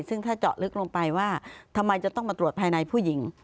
ซึ่งถ้าเจาะลึกลงไปว่าทำไมจะต้องมาตรวจภายในผู้หญิง